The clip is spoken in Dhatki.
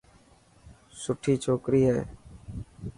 سٺوي ڇوڪري هي.